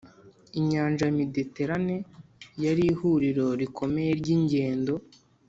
i nyanja ya mediterane, yari ihuriro rikomeye ry’ingendo